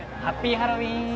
ハッピーハロウィン！